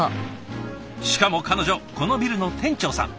しかも彼女このビルの店長さん。